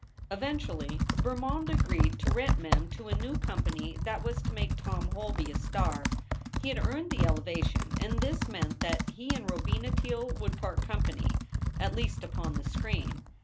Eventually, Bermond agreed to rent Mem to a new company that was to make Tom Holby a star. He had earned the elevation, and this meant that he and Robina Teele would part company at least upon the screen.